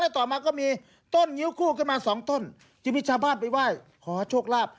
ต่อมาก็มีต้นงิ้วคู่ขึ้นมาสองต้นจึงมีชาวบ้านไปไหว้ขอโชคลาภ